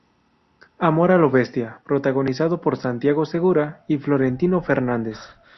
Amor a lo bestia", protagonizado por Santiago Segura y Florentino Fernández.